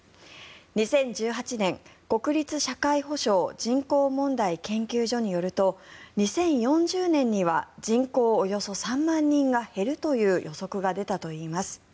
２０１８年、国立社会保障・人口問題研究所によると２０４０年には人口およそ３万人が減るという予測が出たといいます。